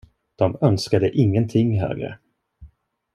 De önskade ingenting högre.